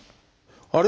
あれ？